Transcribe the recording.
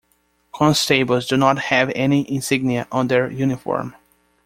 Constables do not have any insignia on their uniform.